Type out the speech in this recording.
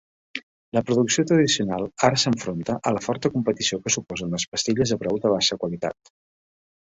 La producció tradicional ara s'enfronta a la forta competició que suposen les pastilles de brou de baixa qualitat.